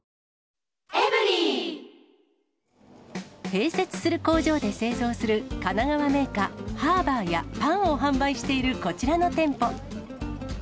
併設する工場で製造する神奈川銘菓、ハーバーやパンを販売しているこちらの店舗。